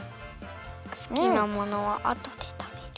すきなものはあとでたべる。